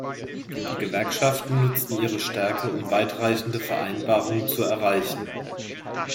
Die Gewerkschaften nutzten ihre Stärke, um weitreichende Vereinbarungen zu erreichen.